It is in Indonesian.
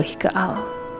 kemudian beraruh ke al